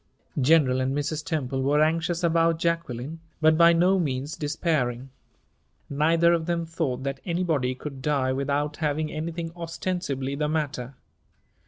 General and Mrs. Temple were anxious about Jacqueline, but by no means despairing. Neither of them thought that anybody could die without having anything ostensibly the matter.